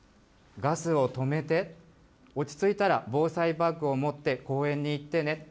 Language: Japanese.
ガスを止めて、落ち着いたら防災バッグを持って公園に行ってね。